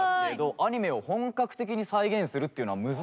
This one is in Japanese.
アニメを本格的に再現するっていうのは難しくなかったですか？